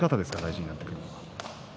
大事になってくるのは。